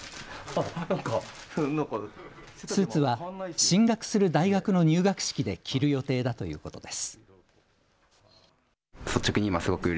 スーツは進学する大学の入学式で着る予定だということです。